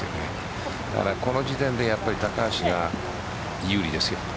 この時点で高橋が有利ですよ。